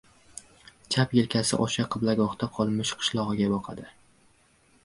Chap yelkasi osha qiblagohda qolmish qishlog‘iga boqadi.